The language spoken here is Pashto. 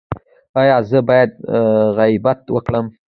ایا زه باید غیبت وکړم؟